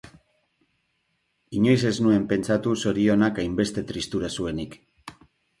Inoiz ez nuen pentsatu zorionak hainbeste tristura zuenik